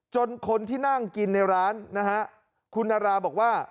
คนที่นั่งกินในร้านนะฮะคุณนาราบอกว่า